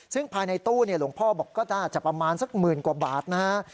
ซึ่งภายในตู้หลวงพ่อบอกก็น่าจะประมาณสักหมื่นกว่าบาทนะฮะ